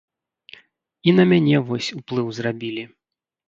І на мяне вось уплыў зрабілі.